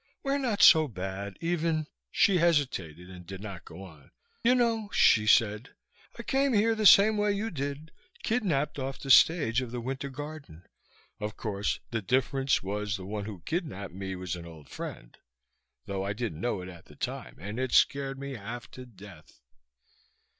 We're not so bad. Even " She hesitated, and did not go on. "You know," she said, "I came here the same way you did. Kidnaped off the stage of the Winter Garden. Of course, the difference was the one who kidnaped me was an old friend. Though I didn't know it at the time and it scared me half to death."